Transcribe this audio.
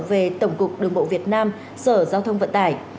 về tổng cục đường bộ việt nam sở giao thông vận tải